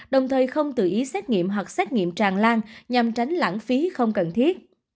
đồng thời không tự ý xét nghiệm hoặc xét nghiệm tràn lan nhằm tránh lãng phí không cần thiết